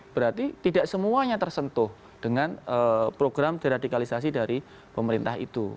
berarti tidak semuanya tersentuh dengan program deradikalisasi dari pemerintah itu